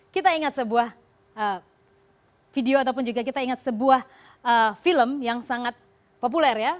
kita ingat sebuah video ataupun juga kita ingat sebuah film yang sangat populer ya